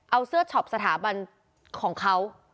เอาเสื้อช็อปสถาบันของเขา